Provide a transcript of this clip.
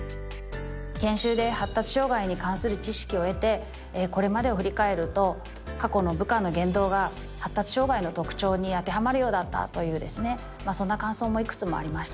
研修で発達障害に関する知識を得て、これまでを振り返ると、過去の部下の言動が発達障害の特徴に当てはまるようだったという、そんな感想もいくつもありました。